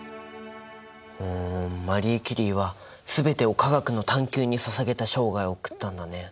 おマリー・キュリーは全てを科学の探究にささげた生涯を送ったんだね。